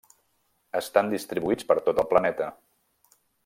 Estan distribuïts per tot el planeta.